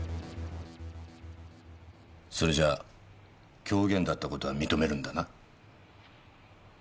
それじゃあ狂言だった事は認めるんだな？